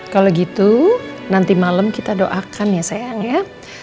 kalau gitu nanti malam kita doakan ya sayang ya